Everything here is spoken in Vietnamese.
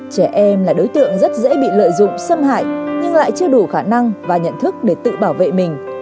trẻ em là đối tượng rất dễ bị lợi dụng xâm hại nhưng lại chưa đủ khả năng và nhận thức để tự bảo vệ mình